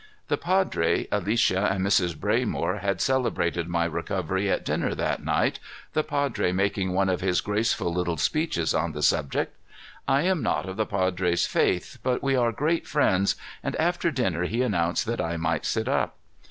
The padre, Alicia, and Mrs. Braymore had celebrated my recovery at dinner that night, the padre making one of his graceful little speeches on the subject. I am not of the padre's faith, but we are great friends, and after dinner he announced that I might sit up.